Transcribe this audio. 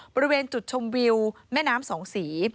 บริเวณจุดชมวิวแม่น้ำสองสี